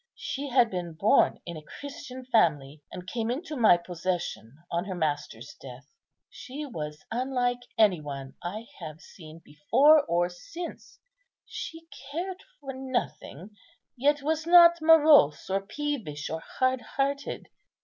She had been born in a Christian family, and came into my possession on her master's death. She was unlike any one I have seen before or since; she cared for nothing, yet was not morose or peevish or hard hearted.